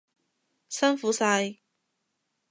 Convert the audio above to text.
辛苦晒！